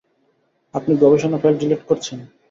আপনি গবেষণা file delete করছেন?